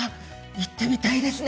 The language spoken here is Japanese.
行ってみたいですね。